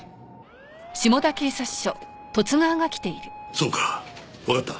そうかわかった。